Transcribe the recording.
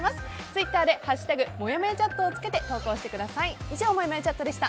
ツイッターで「＃もやもやチャット」をつけて投稿してください。